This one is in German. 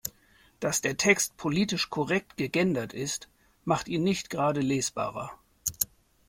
Dass der Text politisch korrekt gegendert ist, macht ihn nicht gerade lesbarer.